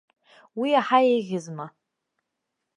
Уи иаҳа еиӷьызма?